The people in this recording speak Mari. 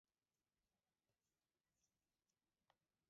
Вашешыже кӧм ӱжшашымат кычалаш тӱҥале.